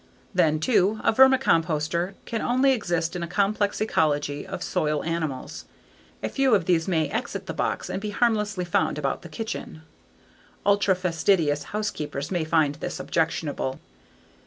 Then too, a vermicomposter can only exist in a complex ecology of soil animals. A few of these may exit the box and be harmlessly found about the kitchen. Ultra fastidious housekeepers may find this objectionable.